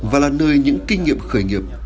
và là nơi những kinh nghiệm khởi nghiệp